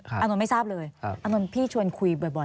อานนท์ไม่ทราบเลยอานนท์พี่ชวนคุยบ่อย